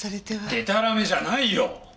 でたらめじゃないよ！